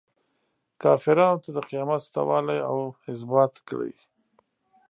کافرانو ته د قیامت شته والی ازبات کړي.